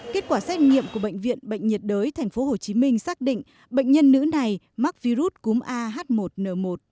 kết quả xét nghiệm của bệnh viện bệnh nhiệt đới thành phố hồ chí minh xác định bệnh nhân nữ này mắc virus cúm ah một n một